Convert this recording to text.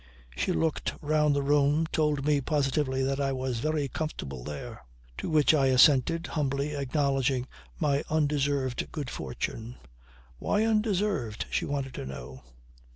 She looked round the room, told me positively that I was very comfortable there; to which I assented, humbly, acknowledging my undeserved good fortune. "Why undeserved?" she wanted to know.